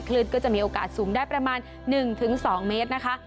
ก็จะมีโอกาสสูงได้ประมาณ๑๒เมตรนะคะ